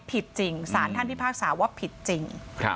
ผิดจริงสารท่านพิพากษาว่าผิดจริง